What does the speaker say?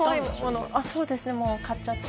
そうですねもう。